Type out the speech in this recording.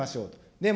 でも